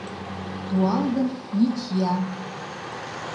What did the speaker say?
Туалгын, ничья!